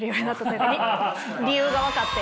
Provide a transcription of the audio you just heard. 理由が分かって。